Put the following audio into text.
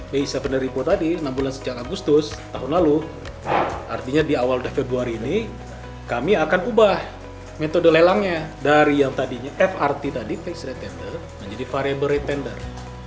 desa penderipo tadi enam bulan sejak agustus tahun lalu artinya di awal februari ini kami akan ubah metode lelangnya dari yang tadinya frt tadi tax retender menjadi variable tender